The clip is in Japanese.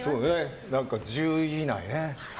１０位以内ね。